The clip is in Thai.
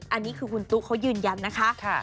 อันนี้คือคุณตุ๊เขายืนยันนะคะ